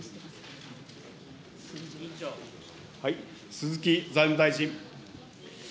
鈴木財務大臣。